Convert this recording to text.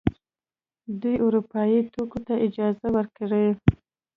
دوی اروپايي توکو ته اجازه ورکړي.